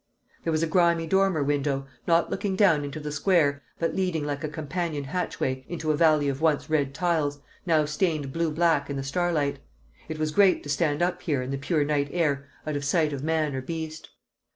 There was a grimy dormer window, not looking down into the square, but leading like a companion hatchway into a valley of once red tiles, now stained blue black in the starlight. It was great to stand upright here in the pure night air out of sight of man or beast.